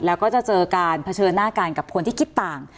แล้วก็จะเจอการเผชิญหน้ากันกับคนที่คิดต่าง